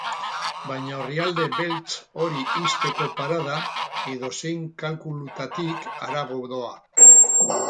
Baina orrialde beltz hori ixteko parada edozein kalkulutatik harago doa.